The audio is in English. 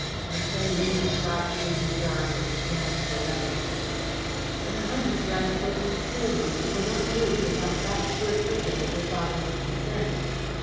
Misset leaned across Gaydon's arm and scanned the letter. "But her Highness writes most clearly she will not move without that sure token of her father's consent."